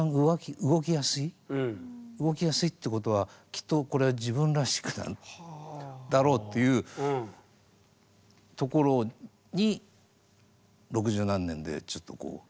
動きやすいってことはきっとこれは自分らしくなんだろうっていうところに六十何年でちょっとこう。